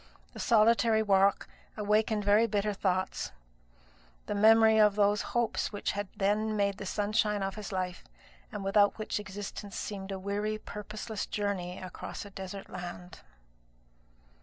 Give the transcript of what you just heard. The solitary walk awakened very bitter thoughts; the memory of those hopes which had then made the sunshine of his life, and without which existence seemed a weary purposeless journey across a desert land.